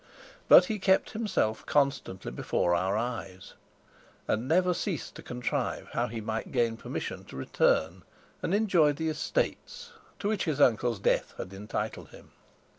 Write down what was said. But he kept himself constantly before our eyes, and never ceased to contrive how he might gain permission to return and enjoy the estates to which his uncle's death had entitled him.